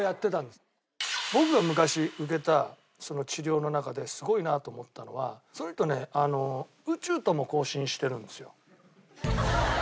僕が昔受けた治療の中ですごいなと思ったのはその人ね宇宙とも交信してるんですよ。